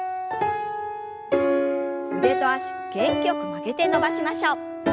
腕と脚元気よく曲げて伸ばしましょう。